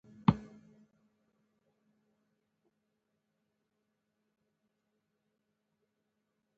یوه ډوډۍ د اشرافو لپاره وه.